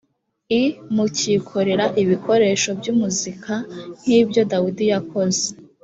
i mukikorera ibikoresho by umuzika nk ibyo dawidi yakoze